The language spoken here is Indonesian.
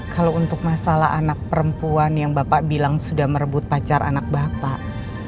kalau untuk masalah anak perempuan yang bapak bilang sudah merebut pacar anak bapak